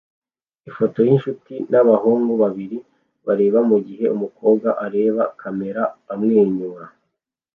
Ifoto yinshuti nabahungu babiri bareba mugihe umukobwa areba kamera amwenyura